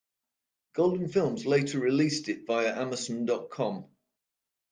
Golden Films later released it via Amazon dot com.